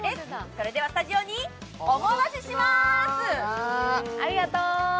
それではスタジオにお戻ししまーす！